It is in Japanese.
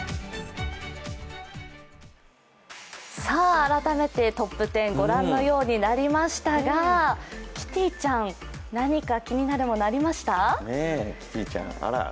改めてトップ１０御覧のようになりましたがキティちゃん、何か気になるものありました？